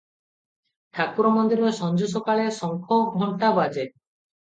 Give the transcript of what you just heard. ଠାକୁର ମନ୍ଦିରରେ ସଞ୍ଜ ସକାଳେ ଶଙ୍ଖ, ଘଣ୍ଟାବାଜେ ।